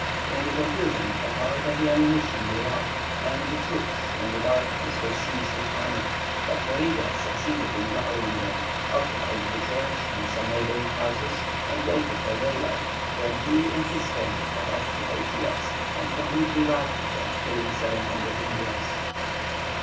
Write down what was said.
In the confusion a part of the ammunition blew up, and the troops in the darkness were seized with panic, but Loriga succeeded in rallying them, occupied the church and some neighbouring houses, and waited for daylight, when he in his turn attacked the Patriots, and completely routed them, killing 700 Indians.